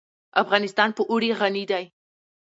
افغانستان په اوړي غني دی.